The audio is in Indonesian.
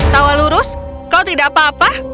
tawa lurus kau tidak apa apa